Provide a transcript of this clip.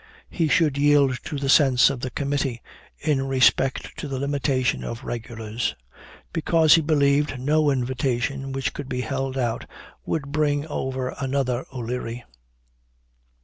He should yield to the sense of the committee in respect to the limitation of regulars; because, he believed, no invitation which could be held out would bring over another O'Leary."